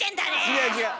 違う違う！